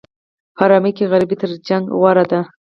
په ارامۍ کې غریبي تر جنګ غوره ده.